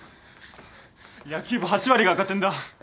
野球部８割が赤点だ。えっ！？